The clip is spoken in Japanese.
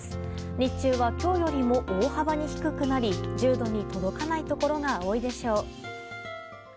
日中は今日よりも大幅に低くなり１０度に届かないところが多いでしょう。